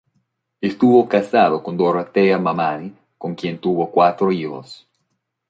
Estuvo casado con Dorotea Mamani con quien tuvo cuatro hijos.